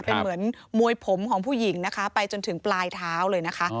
เป็นเหมือนมวยผมของผู้หญิงนะคะไปจนถึงปลายเท้าเลยนะคะ